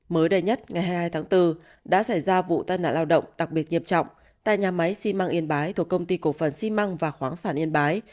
mới đây nhất ngày hai mươi hai tháng bốn đã xảy ra vụ tai nạn lao động đặc biệt nghiêm trọng tại nhà máy xi măng yên bái thuộc công ty cổ phần xi măng và khoáng sản yên bái